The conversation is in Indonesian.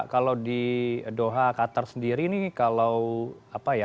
kalau di doha qatar sendiri ini kalau apa ya